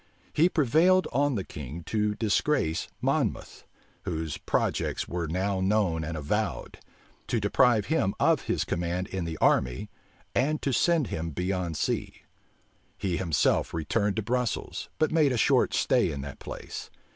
He prevailed on the king to disgrace Monmouth, whose projects were now known and avowed; to deprive him of his command in the army; and to send him beyond sea. He himself returned to Brussels; but made a short stay in that place.